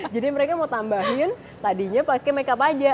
jadi mereka mau tambahin tadinya pakai makeup aja